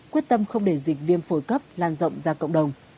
quyết tâm không để dịch viêm phổi cấp lan rộng ra cộng đồng